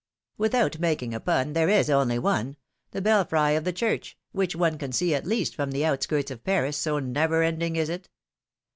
Without making a pun,* there is only one, the belfry of the church, which one can see at least from the outskirts of Paris, so never ending is it.